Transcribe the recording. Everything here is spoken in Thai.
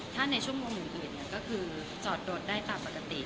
ถ้าในชั่วโมงอื่นก็คือจอดรถได้ตามปกติ